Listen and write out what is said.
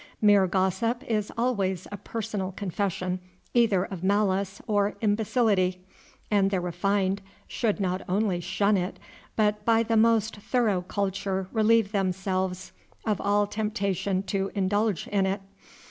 Mere gossip is always a personal confession either of malice or imbecility, and the refined should not only shun it, but by the most thorough culture relieve themselves of all temptation to indulge in it.